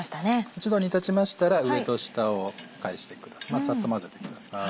一度煮立ちましたら上と下を返してサッと混ぜてください。